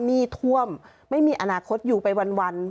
หนี้ท่วมไม่มีอนาคตอยู่ไปวัน